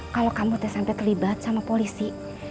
kalau kamu sampai terlibat sama polisi